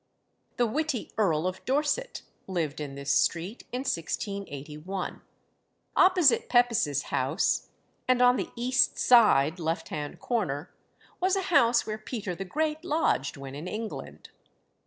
The witty Earl of Dorset lived in this street in 1681. Opposite Pepys's house, and on the east side (left hand corner), was a house where Peter the Great lodged when in England.